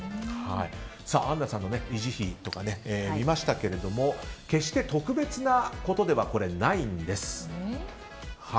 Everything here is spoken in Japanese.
アンナさんの維持費とかを見ましたが決して特別なことではないんです。